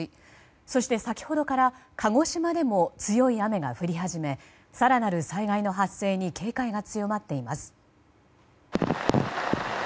そして、先ほどから鹿児島でも強い雨が降り始め更なる災害の発生に警戒が強まっています。